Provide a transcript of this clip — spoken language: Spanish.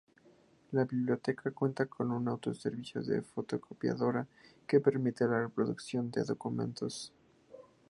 La Biblioteca cuenta con un autoservicio de fotocopiadora que permite la reproducción de documentos.